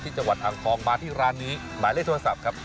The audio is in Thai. จังหวัดอ่างทองมาที่ร้านนี้หมายเลขโทรศัพท์ครับ